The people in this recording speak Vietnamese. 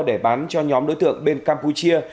để bán cho nhóm đối tượng bên campuchia